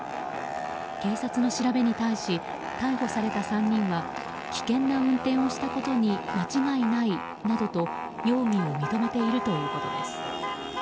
警察の調べに対し逮捕された３人は危険な運転をしたことに間違いないなどと容疑を認めているということです。